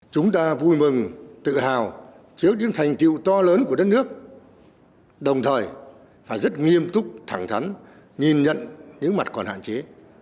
chúng ta vui mừng tự hào trước những thành tiệu to lớn của đất nước đồng thời phải rất nghiêm túc thẳng thắn nhìn nhận những mặt còn hạn chế